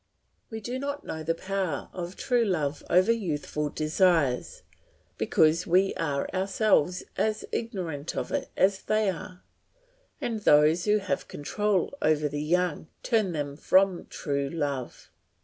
We do not know the power of true love over youthful desires, because we are ourselves as ignorant of it as they are, and those who have control over the young turn them from true love.